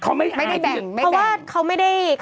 เขาไม่อายเพื่อเพราะว่าเขาไม่ได้